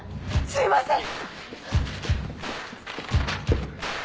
すいません！